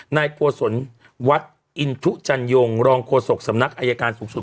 นายโกศลวัดอินทุจันยงรองโฆษกสำนักอายการสูงสุด